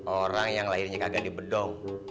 orang yang lahirnya kagak di bedong